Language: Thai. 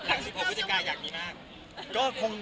หลังผสมพิจิกาอยากมีมาก